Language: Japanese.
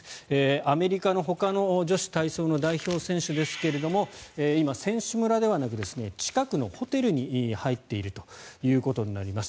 アメリカのほかの女子体操の代表選手ですが今、選手村ではなく近くのホテルに入っているということになります。